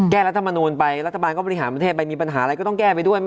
รัฐมนูลไปรัฐบาลก็บริหารประเทศไปมีปัญหาอะไรก็ต้องแก้ไปด้วย